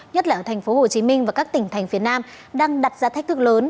nhất là ở tp hcm và các tỉnh thành phía nam đang đặt ra thách thức lớn